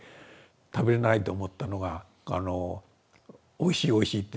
食べれないと思ったのが「おいしいおいしい」って２杯。